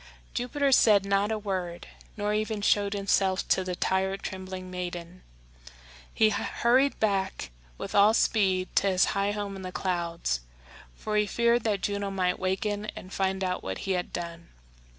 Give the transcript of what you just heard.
Jupiter said not a word, nor even showed himself to the tired, trembling maiden. He hurried back with all speed to his high home in the clouds, for he feared that Juno might waken and find out what he had done.